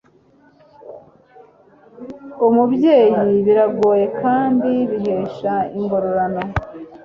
umubyeyi biragoye kandi bihesha ingororano